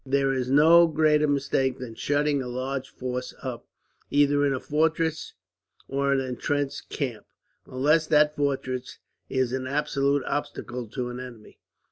"There is no greater mistake than shutting a large force up, either in a fortress or an intrenched camp, unless that fortress is an absolute obstacle to an enemy.